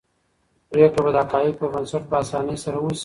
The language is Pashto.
پرېکړه به د حقایقو پر بنسټ په اسانۍ سره وشي.